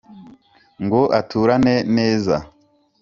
Ngo aturane neza